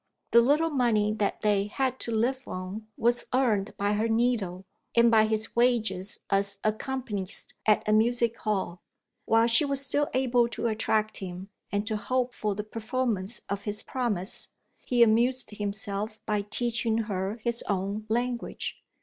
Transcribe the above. The little money that they had to live on was earned by her needle, and by his wages as accompanist at a music hall. While she was still able to attract him, and to hope for the performance of his promise, he amused himself by teaching her his own language.